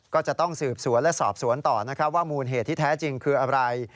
ก็จะต้องสืบสวนและสอบสวนต่อนะครับว่ามูลเหตุที่แท้จริงคืออะไร